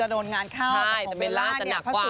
เป็นบูรรดิที่เดี๋ยวพักขึ้นเส้นเบลล่าจะหนักกว่า